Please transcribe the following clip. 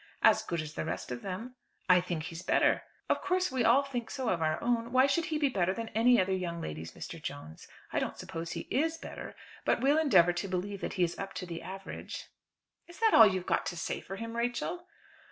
"As good as the rest of them." "I think he is better." "Of course we all think so of our own. Why should he be better than any other young lady's Mr. Jones? I don't suppose he is better; but we'll endeavour to believe that he is up to the average." "Is that all that you've got to say for him, Rachel?"